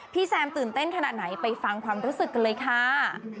แซมตื่นเต้นขนาดไหนไปฟังความรู้สึกกันเลยค่ะ